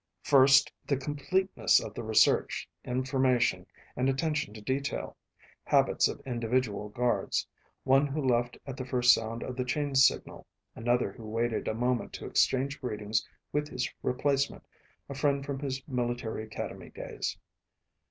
First the completeness of the research, information, and attention to detail habits of individual guards: one who left at the first sound of the change signal; another who waited a moment to exchange greetings with his replacement, a friend from his military academy days.